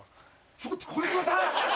ちょっとこれ下さい！